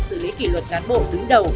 xử lý kỷ luật cán bộ đứng đầu